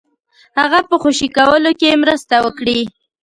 هغه په خوشي کولو کې مرسته وکړي.